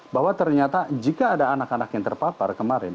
bahwa ternyata jika ada anak anak yang terpapar kemarin